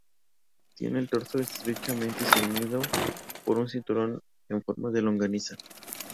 Tienen el torso estrechamente ceñido por un cinturón "en forma de longaniza".